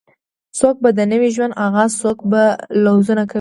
څوک به د نوې ژوند آغاز څوک به لوظونه کوي